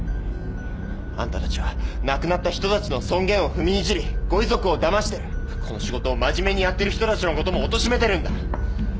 あんたたちは亡くなった人たちの尊厳を踏みにじりご遺族をだましてこの仕事を真面目にやってる人たちのこともおとしめてるんだ！